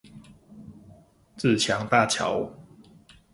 自強大橋